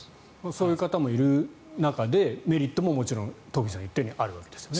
そういう方もいる中でメリットももちろん東輝さんが言ったようにあるわけですね。